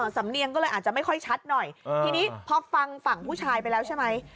สำเนียงก็เลยอาจจะไม่ค่อยชัดหน่อยทีนี้พอฟังฝั่งผู้ชายไปแล้วใช่ไหม